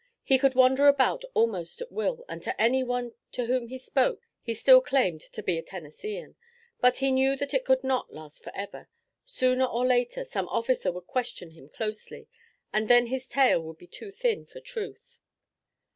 He could wander about almost at will and to any one to whom he spoke he still claimed to be a Tennesseean, but he knew that it could not last forever. Sooner or later, some officer would question him closely, and then his tale would be too thin for truth.